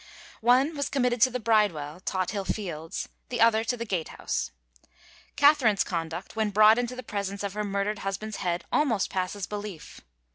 One was committed to the Bridewell, Tothill Fields, the other to the Gatehouse. Catherine's conduct when brought into the presence of her murdered husband's head almost passes belief.